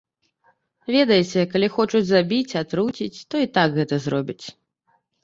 Ведаеце, калі хочуць забіць, атруціць, то і так гэта зробяць.